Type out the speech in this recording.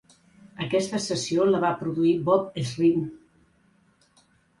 Aquesta sessió la va produir Bob Ezrin.